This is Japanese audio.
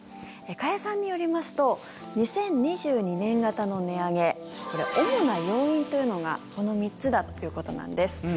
加谷さんによりますと２０２２年型の値上げこれ、主な要因というのがこの３つだということなんです。